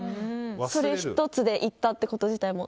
それ１つで行ったってこと自体も。